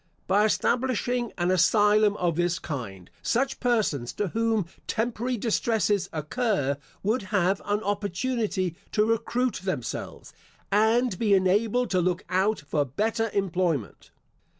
By establishing an asylum of this kind, such persons to whom temporary distresses occur, would have an opportunity to recruit themselves, and be enabled to look out for better employment.